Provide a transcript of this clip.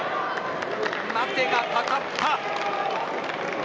待てがかかった。